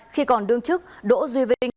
khi còn đương chức đỗ duy vinh